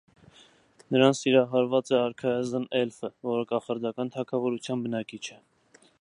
Նրան սիրահարված է արքայազն էլֆը, որը կախարդական թագավորության բնակիչ է։